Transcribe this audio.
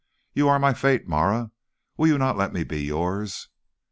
You are my fate, Marah; will you not let me be yours?'